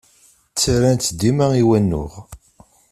Ttarran-tt dima i wanuɣ.